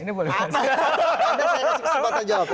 anda saya kasih kesempatan jawab